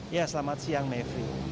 ya selamat siang mevli